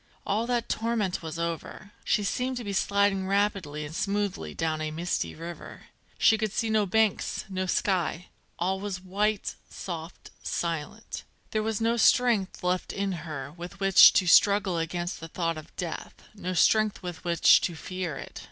All that torment was over. She seemed to be sliding rapidly and smoothly down a misty river. She could see no banks, no sky; all was white, soft, silent. There was no strength left in her with which to struggle against the thought of death, no strength with which to fear it.